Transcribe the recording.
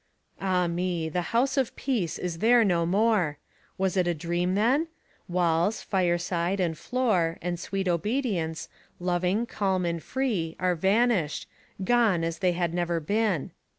Ah me! the house of peace is there no more. Was it a dream then? Walls, fireside, and floor, And sweet obedience, loving, calm, and free, Are vanished gone as they had never been.